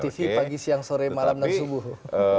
tidak masuk tv pagi siang sore malam dan subuh